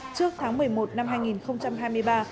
trước tháng một mươi một năm hai nghìn hai mươi ba